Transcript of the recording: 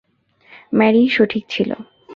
ম্যারিই সঠিক ছিল।